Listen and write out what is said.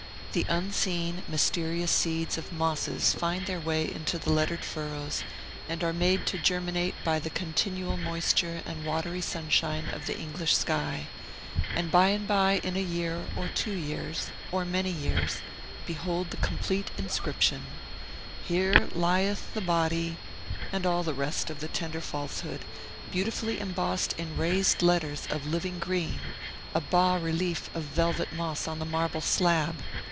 The unseen, mysterious seeds of mosses find their way into the lettered furrows, and are made to germinate by the continual moisture and watery sunshine of the English sky; and by and by, in a year, or two years, or many years, behold the complete inscription Here Lieth the body, and all the rest of the tender falsehood beautifully embossed in raised letters of living green, a bas relief of velvet moss on the marble slab!